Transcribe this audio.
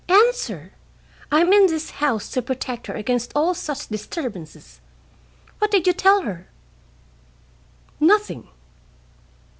Answer! I am in this house to protect her against all such disturbances. What did you tell her?" "Nothing."